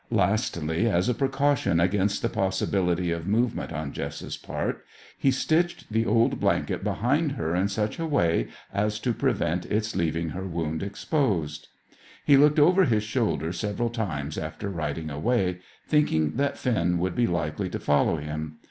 Lastly, as a precaution against the possibility of movement on Jess's part, he stitched the old blanket behind her in such a way as to prevent its leaving her wound exposed. He looked over his shoulder several times after riding away, thinking that Finn would be likely to follow him.